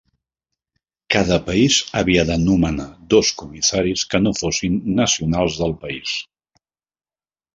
Cada país havia de nomenar dos comissaris que no fossin nacionals del país.